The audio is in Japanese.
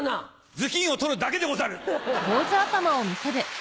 頭巾を取るだけでござる！